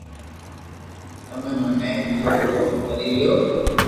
تمي مني ڪيويو تو ڪري ليو